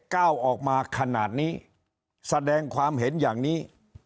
ก้าวออกมาขนาดนี้แสดงความเห็นอย่างนี้